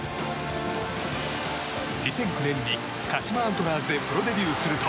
２００９年に鹿島アントラーズでプロデビューすると